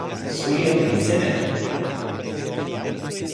suli ona li seme a?